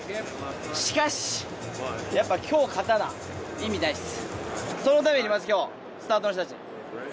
しかしやっぱ今日勝たな意味ないです。